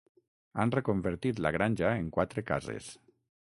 Han reconvertit la granja en quatre cases.